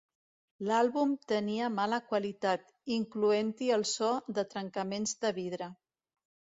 L'àlbum tenia mala qualitat, incloent-hi el so de trencaments de vidre.